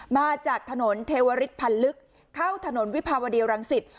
มาจากถนนเทวริสพันธ์ลึกเข้าถนนวิภาวดีรังสิต